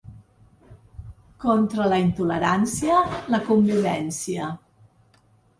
Contra la intolerància, la convivència.